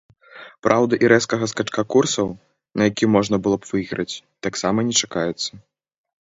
Праўда, і рэзкага скачка курсаў, на якім можна было б выйграць, таксама не чакаецца.